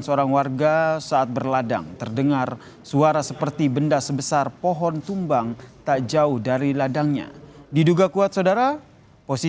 empat personel polsek kerayan selatan yang terdiri di bandara terbang